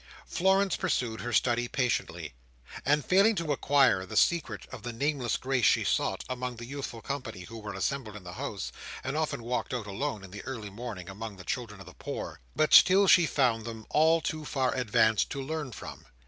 Florence pursued her study patiently, and, failing to acquire the secret of the nameless grace she sought, among the youthful company who were assembled in the house, often walked out alone, in the early morning, among the children of the poor. But still she found them all too far advanced to learn from.